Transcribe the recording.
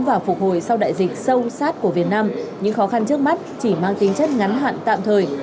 và phục hồi sau đại dịch sâu sát của việt nam những khó khăn trước mắt chỉ mang tính chất ngắn hạn tạm thời